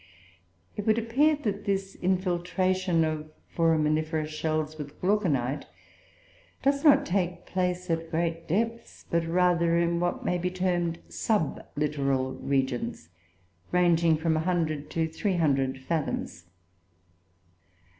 It would appear that this infiltration of Foraminifera shells with Glauconite does not take place at great depths, but rather in what may be termed a sublittoral region, ranging from a hundred to three hundred fathoms.